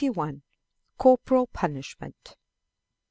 CORPORAL PUNISHMENT.